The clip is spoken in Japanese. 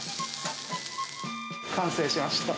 完成しました。